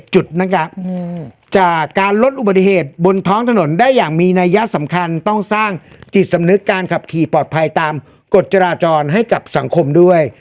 จุดนะครับจากการลดอุบัติเหตุบนท้องถนนได้อย่างมีนัยยะสำคัญต้องสร้างจิตสำนึกการขับขี่ปลอดภัยตามกฎจราจรให้กับสังคมด้วย